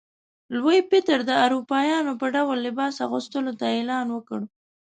لوی پطر د اروپایانو په ډول لباس اغوستلو ته اعلان وکړ.